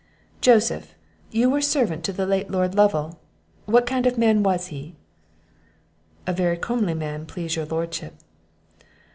"Joseph, you were servant to the late Lord Lovel; what kind of man was he?" "A very comely man, please your lordship."